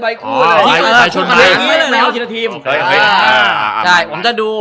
เอาทีละทีม